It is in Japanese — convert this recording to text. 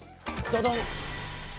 ドドン！